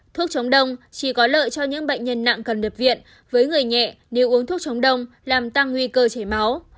thuốc chống đông chỉ có lợi cho những bệnh nhân nặng cần nhập viện với người nhẹ nếu uống thuốc chống đông làm tăng nguy cơ chảy máu